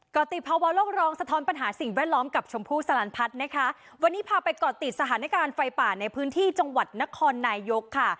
กรติภาวะโลกร้องสะท้อนปัญหาสิ่งแวดล้อมกับชมพู่สลันพัฒน์นะคะวันนี้พาไปก่อติดสถานการณ์ไฟป่าในพื้นที่จังหวัดนครนายกค่ะ